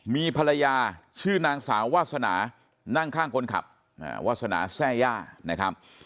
มีภรรยาชื่อนางสาววาสนานั่งข้างคนขับวาสนาแซ่ย่านะครับ